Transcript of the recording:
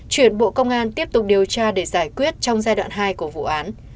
chuyển bộ công an tiếp tục điều tra để giải quyết trong giai đoạn hai của vụ án